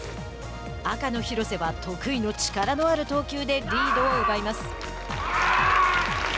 赤の廣瀬は、得意の力のある投球でリードを奪います。